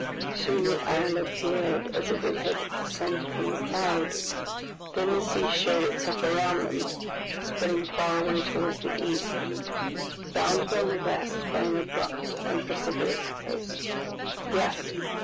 Soon the isle appeared as if it had descended from a cloud, then the sea showed itself around them, spreading far away towards the east, but bounded on the west by an abrupt and precipitous coast. Yes!